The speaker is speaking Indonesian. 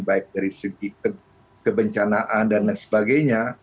baik dari segi kebencanaan dan lain sebagainya